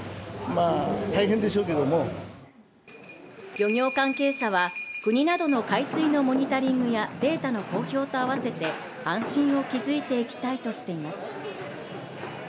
漁業関係者は国などの海水のモニタリングやデータの公表と合わせて安心を築いていきたいとしています。